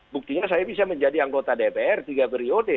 buktinya saya bisa menjadi anggota dpr tiga periode